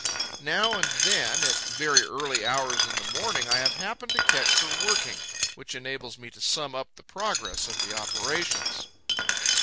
Now and again, at very early hours in the morning, I have happened to catch her working, which enables me to sum up the progress of the operations.